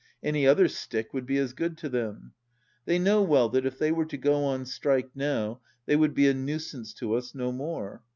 Any other stick would be as good to them. They know well that if they were to go on strike now they would be a nuisance to us, no more.